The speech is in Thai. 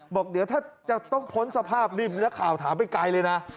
บอกเดี๋ยวถ้าจะต้องพ้นสภาพนี่มีนักข่าวถามไปไกลเลยนะ